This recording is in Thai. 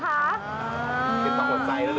ติดต่อหัวใจหรือเปล่าค่ะ